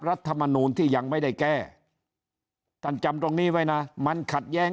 รัฐมนูลที่ยังไม่ได้แก้ท่านจำตรงนี้ไว้นะมันขัดแย้ง